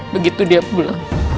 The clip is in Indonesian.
begitu dia pulang